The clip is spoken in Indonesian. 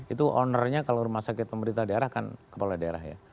itu ownernya kalau rumah sakit pemerintah daerah kan kepala daerah ya